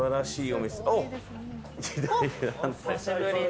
お久しぶりです。